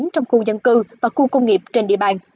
trong khu dân cư và khu công nghiệp trên địa bàn